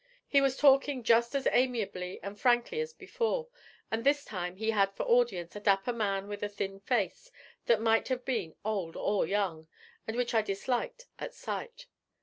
He was talking just as amiably and frankly as before, and this time he had for audience a dapper man with a thin face that might have been old or young, and which I disliked at sight.